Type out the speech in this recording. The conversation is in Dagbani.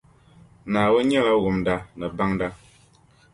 Naawuni nyɛla Wumda ni Baŋda